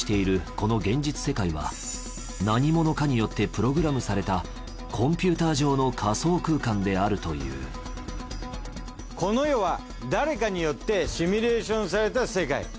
この現実世界は何者かによってプログラムされたコンピューター上の仮想空間であるというこの世は誰かによってシミュレーションされた世界。